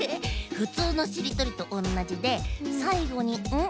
ふつうのしりとりとおんなじでさいごに「ん」がついてもまけ。